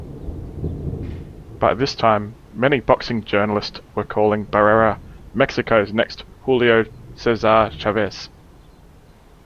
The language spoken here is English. By this time, many boxing journalist were calling Barrera "Mexico's next Julio César Chávez.